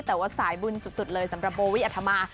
แต่ว่าสายบุญสุดเลยสำหรับโบวี่อัธมา